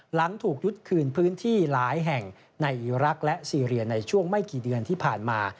หลังถูกยึดคืนพื้นที่หลายแห่งในอีรักษ์และซีเรียในช่วงไม่กี่เดือนที่ผ่านมา